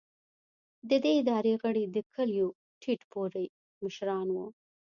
د دې ادارې غړي د کلیو ټیټ پوړي مشران وو.